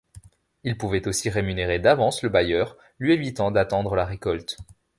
Il pouvait aussi rémunérer d'avance le bailleur, lui évitant d'attendre la récolte.